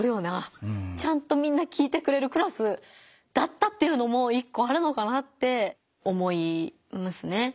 ちゃんとみんな聞いてくれるクラスだったっていうのも一個あるのかなって思いますね。